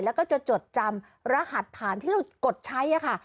แล้วก็จะจดจำรหัสผ่านที่เรากดใช้ค่ะ